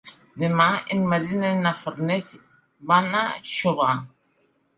Demà en Maria i na Farners van a Xóvar.